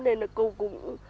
nên là cô cũng